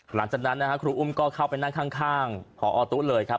หลังจากนั้นนะครับครูอุ้มก็เข้าไปนั่งข้างพอตู้เลยครับ